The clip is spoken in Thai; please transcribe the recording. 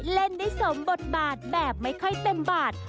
เล่นได้สมบทบาทแบบไม่ค่อยเต็มบาท